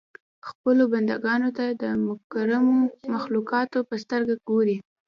خپلو بنده ګانو ته د مکرمو مخلوقاتو په سترګه ګوري.